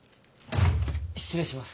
失礼します。